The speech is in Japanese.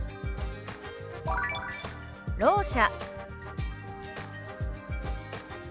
「ろう者」。